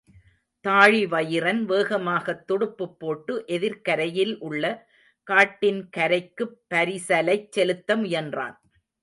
தாழிவயிறன் வேகமாகத் துடுப்புப் போட்டு, எதிர்க்கரையில் உள்ள காட்டின் கரைக்குப் பரிசலைச் செலுத்த முயன்றான்.